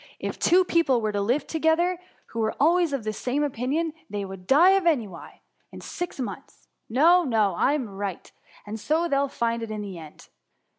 If two people were to agree to live together, who were always of the same opinion, they would die of ennui jn six months. No, no, I^m right, and so they 11 find it in the end.''